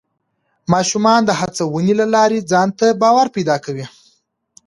ماشومان د هڅونې له لارې ځان ته باور پیدا کوي